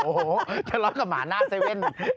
โอ้โหทะเลาะกับหมาหน้าเซเว่น